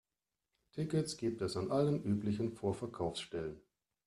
Tickets gibt es an allen üblichen Vorverkaufsstellen.